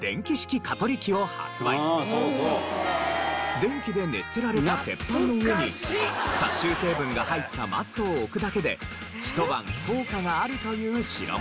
電気で熱せられた鉄板の上に殺虫成分が入ったマットを置くだけでひと晩効果があるという代物。